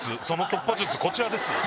その突破術こちらです。